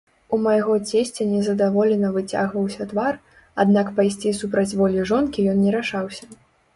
У майго цесця незадаволена выцягваўся твар, аднак пайсці супраць волі жонкі ён не рашаўся.